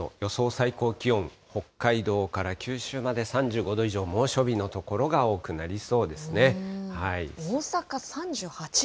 最高気温、北海道から九州まで３５度以上の猛暑日の所が多くなり大阪３８度。